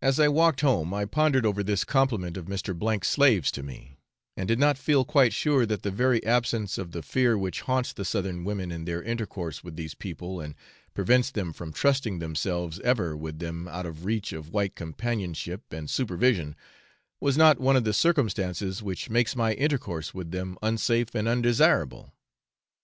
As I walked home I pondered over this compliment of Mr. 's slaves to me, and did not feel quite sure that the very absence of the fear which haunts the southern women in their intercourse with these people and prevents them from trusting themselves ever with them out of reach of white companionship and supervision was not one of the circumstances which makes my intercourse with them unsafe and undesirable.